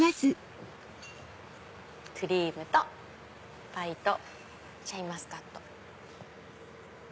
クリームとパイとシャインマスカット。